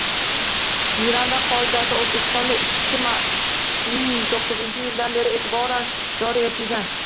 Miranda qoidasi O‘zbekistonda ikki ming to'qqizinchi yildan e’tiboran joriy etilgan